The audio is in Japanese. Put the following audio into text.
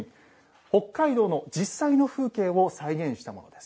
北海道の実際の風景を再現したものです。